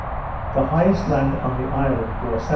The highest land on the island bore S.E.